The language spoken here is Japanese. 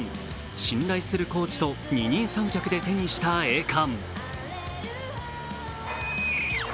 信頼するコーチと二人三脚で手にした栄冠。